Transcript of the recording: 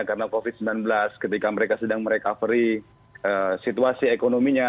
karena covid sembilan belas ketika mereka sedang merecovery situasi ekonominya